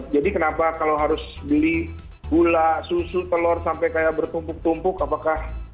jadi kenapa kalau harus beli gula susu telur sampai kayak bertumpuk tumpuk apakah